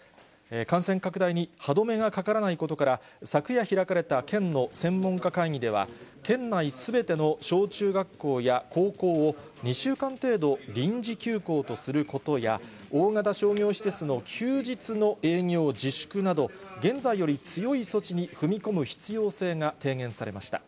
感染拡大に歯止めがかからないことから、昨夜開かれた県の専門家会議では、県内すべての小中学校や高校を、２週間程度臨時休校とすることや、大型商業施設の休日の営業自粛など、現在より強い措置に踏み込む必要性が提言されました。